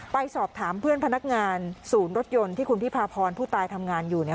ไปสอบถามเพื่อนพนักงานศูนย์รถยนต์ที่คุณพิพาพรผู้ตายทำงานอยู่